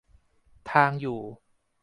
ทางอยู่